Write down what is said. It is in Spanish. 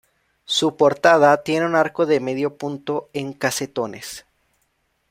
Su portada tiene un arco de medio punto en casetones.